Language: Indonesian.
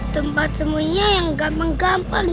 tempat temunya yang gampang gampang